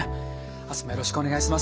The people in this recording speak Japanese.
明日もよろしくお願いします。